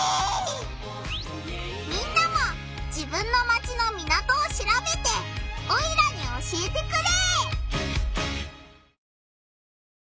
みんなも自分のマチの港をしらべてオイラに教えてくれ！